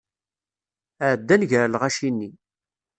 Ɛeddan gar lɣaci-nni.